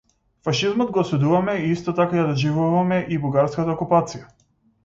Фашизмот го осудувавме и исто така ја доживувавме и бугарската окупација.